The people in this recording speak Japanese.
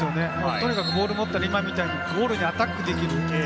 とにかくボールを持って、今みたいにゴールにアタックできる。